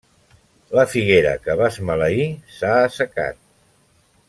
La figuera que vas maleir s'ha assecat.